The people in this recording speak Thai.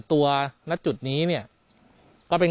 สวัสดีทุกคน